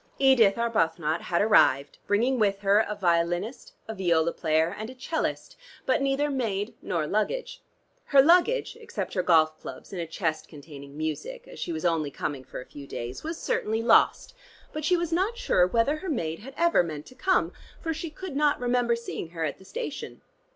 Edith Arbuthnot had arrived, bringing with her a violinist, a viola player and a 'cellist, but neither maid nor luggage. Her luggage, except her golf clubs and a chest containing music (as she was only coming for a few days) was certainly lost, but she was not sure whether her maid had ever meant to come, for she could not remember seeing her at the station.